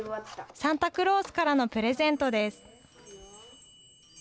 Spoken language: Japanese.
サンタクロースからのプレゼントです。